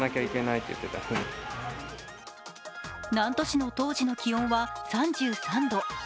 南砺市の当時の気温は３３度。